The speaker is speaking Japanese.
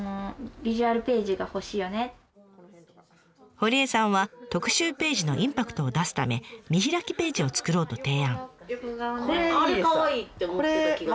堀江さんは特集ページのインパクトを出すため見開きページを作ろうと提案。